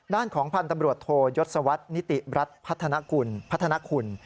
ด้านของพันธ์ตำรวจโทยศวรรษนิติรัฐพัฒนากุลพัฒนาคุณ